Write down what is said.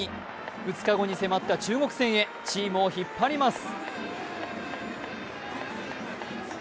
２日後に迫った中国戦へ、チームを引っ張ります。